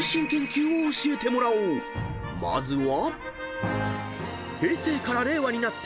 ［まずは］